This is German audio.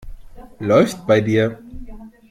Läuft bei dir.